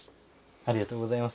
ありがとうございます。